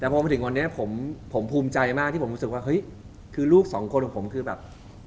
แต่พอมาถึงวันนี้ผมภูมิใจมากที่ผมรู้สึกว่าเฮ้ยคือลูกสองคนของผมคือแบบ